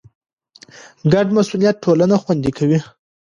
ګډ مسئولیت ټولنه خوندي کوي.